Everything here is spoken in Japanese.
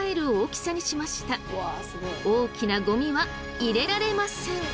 大きなゴミは入れられません。